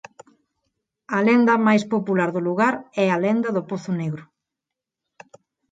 A lenda máis popular do lugar é a "lenda do pozo negro".